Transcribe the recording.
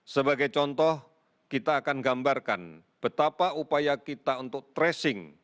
sebagai contoh kita akan gambarkan betapa upaya kita untuk tracing